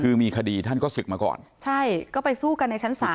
คือมีคดีท่านก็ศึกมาก่อนใช่ก็ไปสู้กันในชั้นศาล